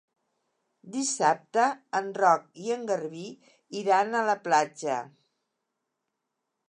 Dissabte en Roc i en Garbí iran a la platja.